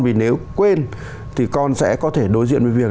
vì nếu quên thì con sẽ có thể đối diện với việc